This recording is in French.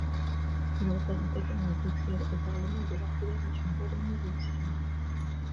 Il représente également Bruxelles au Parlement de la Fédération Wallonie-Bruxelles.